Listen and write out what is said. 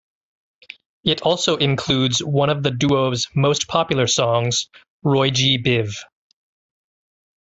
It also includes one of the duo's most popular songs, "Roygbiv".